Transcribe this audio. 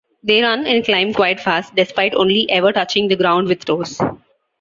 They run and climb quite fast, despite only ever touching the ground with toes.